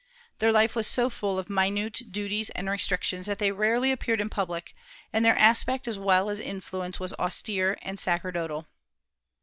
Their life was so full of minute duties and restrictions that they rarely appeared in public, and their aspect as well as influence was austere and sacerdotal.